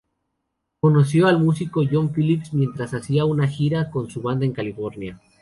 Conoció al músico John Phillips mientras hacía una gira con su banda en California.